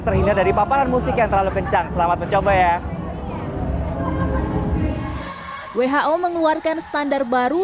terhindar dari paparan musik yang terlalu kencang selamat mencoba ya who mengeluarkan standar baru